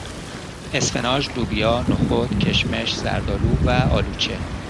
اسفناج لوبیا نخود کشمش زردآلو و آلوچه